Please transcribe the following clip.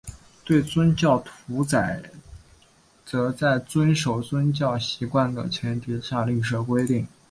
对于宗教屠宰则在遵守宗教习惯的前提下另设规定。